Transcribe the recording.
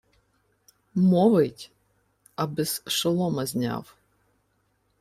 — Мовить, аби-с шолома зняв.